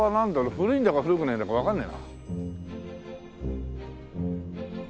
古いんだか古くないんだかわかんねえな。